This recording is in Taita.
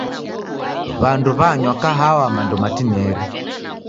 W'andu w'anywa kahawa mando matineri.